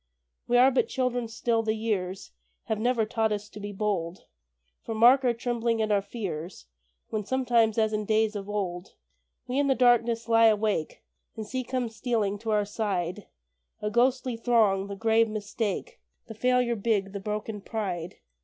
We are but children still, the years Have never taught us to be bold, For mark our trembling and our fears When sometimes, as in days of old, We in the darkness lie awake, And see come stealing to our side A ghostly throng the grave Mistake, The Failure big, the broken Pride.